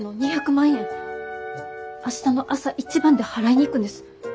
明日の朝一番で払いに行くんです。